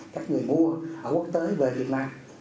các người mua ở quốc tế về việt nam